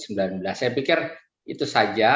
saya pikir itu saja